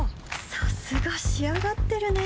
さすが仕上がってるね